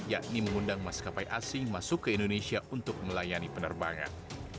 yakni mengundang maskapai asing masuk ke indonesia untuk melayani penerbangan